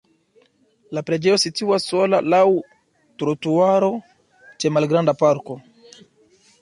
La preĝejo situas sola laŭ trotuaro ĉe malgranda parko.